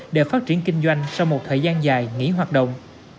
để phát triển kinh doanh sau một thời gian dài nghỉ hoạt động